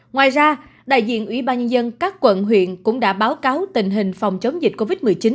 ngoài ra đại diện ủy ban nhân dân các quận huyện cũng đã báo cáo tình hình phòng chống dịch covid một mươi chín